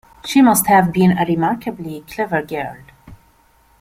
She must have been a remarkably clever girl.